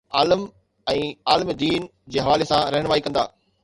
عالم ۽ عالم دين جي حوالي سان رهنمائي ڪندا.